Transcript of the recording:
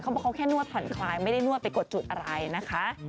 บอกเขาแค่นวดผ่อนคลายไม่ได้นวดไปกดจุดอะไรนะคะ